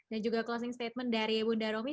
dan juga closing statement dari bunda romi